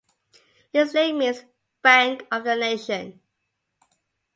Its name means "Bank of the Nation".